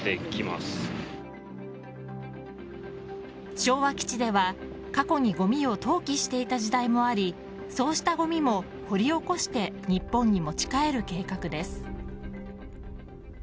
昭和基地では過去にごみを投棄していた時代もありそうしたごみも掘り起こして日本に持ち帰る計画です。